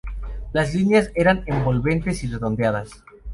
Las líneas eran envolventes y redondeadas.